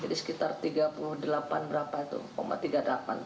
jadi sekitar rp tiga puluh delapan tiga puluh delapan juta